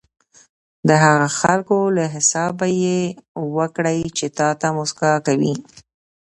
د هغه خلکو له حسابه یې وکړئ چې تاته موسکا کوي.